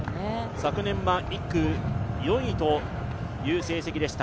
昨年は１区４位という成績でした。